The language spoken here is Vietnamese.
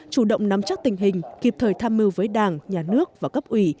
chủ động nắm chắc tình hình kịp thời tham mưu với đảng nhà nước và cấp ủy